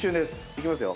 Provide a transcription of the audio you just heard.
いきますよ。